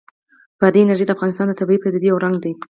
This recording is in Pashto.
بادي انرژي د افغانستان د طبیعي پدیدو یو رنګ دی.